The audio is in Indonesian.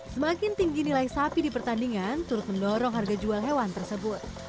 semakin tinggi nilai sapi di pertandingan turut mendorong harga jual hewan tersebut